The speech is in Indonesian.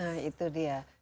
nah itu dia